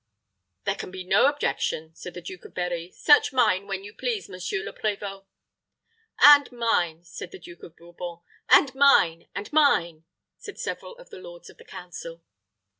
"There can be no objection," said the Duke of Berri. "Search mine, when you please, Monsieur le Prévôt." "And mine," said the Duke of Bourbon. "And mine and mine," said several of the lords of the council.